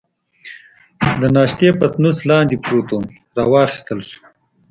د ناشتې پتنوس لاندې پروت وو، را واخیستل شو.